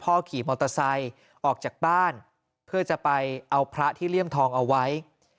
ขี่มอเตอร์ไซค์ออกจากบ้านเพื่อจะไปเอาพระที่เลี่ยมทองเอาไว้